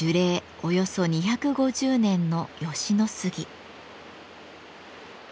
およそ２５０年の吉野杉。